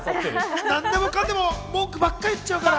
何でもかんでも文句ばっか言っちゃうから。